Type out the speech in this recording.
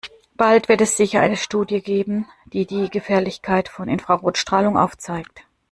Bald wird es sicher eine Studie geben, die die Gefährlichkeit von Infrarotstrahlung aufzeigt.